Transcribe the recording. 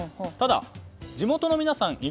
ただ、地元の皆さん